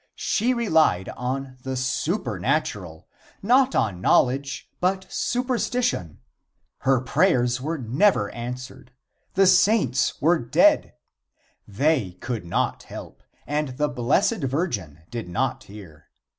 She relied on the supernatural; not on knowledge, but superstition. Her prayers were never answered. The saints were dead. They could not help, and the Blessed Virgin did not hear.